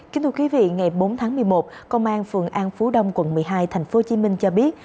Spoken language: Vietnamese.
kính thưa quý vị ngày bốn tháng một mươi một công an phường an phú đông quận một mươi hai tp hcm cho biết